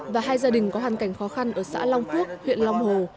và hai gia đình có hoàn cảnh khó khăn ở xã long phước huyện long hồ